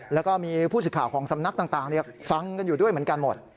แล้วก็มีผู้สื่อข่าวของสำนักต่างฟังกันอยู่ด้วยเหมือนกันหมด